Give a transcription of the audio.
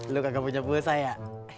lo kagak punya pusa ya